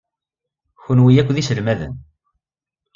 Kenwi akk d iselmaden.